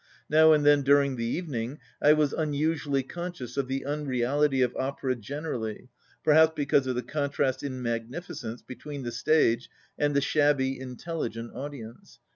Now and then during the evening I was unusually conscious of the unreality of opera generally, perhaps because of the contrast in magnificence between the stage and the shabby, intelligent audience.